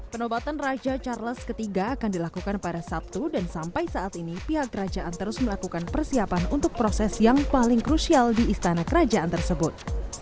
penobatan raja charles iii akan dilakukan pada sabtu dan sampai saat ini pihak kerajaan terus melakukan persiapan untuk proses yang paling krusial di istana kerajaan tersebut